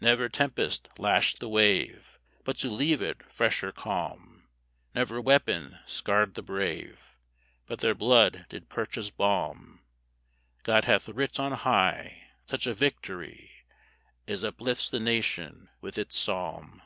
Never tempest lashed the wave But to leave it fresher calm; Never weapon scarred the brave But their blood did purchase balm. God hath writ on high Such a victory As uplifts the nation with its psalm.